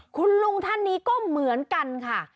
คุณลุงท่านนี้ก็เหมือนกันค่ะ